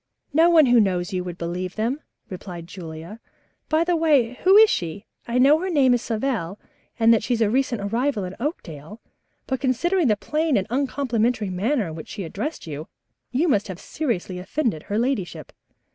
"No one who knows you would believe them," replied Julia. "By the way, who is she? I know her name is Savell and that she's a recent arrival in Oakdale, but considering the plain and uncomplimentary manner in which she addressed you, you must have seriously offended her ladyship."